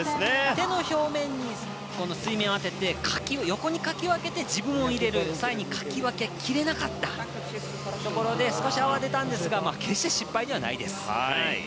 手の表面に水面を当ててかきを横にかき分けて自分を入れる際にかき分けきれなかったところで少し泡が出たんですが決して失敗ではないです。